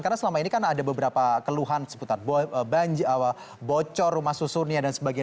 karena selama ini kan ada beberapa keluhan seputar bocor rumah susunnya dan sebagainya